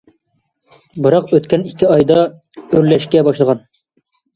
بىراق ئۆتكەن ئىككى ئايدا ئۆرلەشكە باشلىغان.